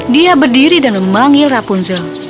dia berdiri dan memanggil rapunzel